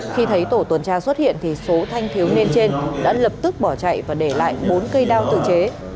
khi thấy tổ tuần tra xuất hiện thì số thanh thiếu niên trên đã lập tức bỏ chạy và để lại bốn cây đao tự chế